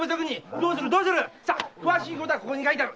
詳しいことはここに書いてある。